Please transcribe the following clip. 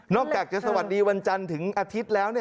อกจากจะสวัสดีวันจันทร์ถึงอาทิตย์แล้ว